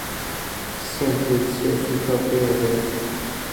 县治切斯特菲尔德。